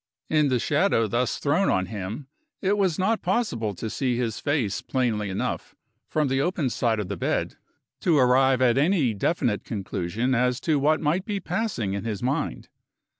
In the shadow thus thrown on him, it was not possible to see his face plainly enough, from the open side of the bed, to arrive at any definite conclusion as to what might be passing in his mind.